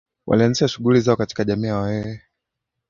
walianzisha shughuli zao katika jamii ya Wahehe